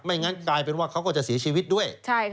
งั้นกลายเป็นว่าเขาก็จะเสียชีวิตด้วย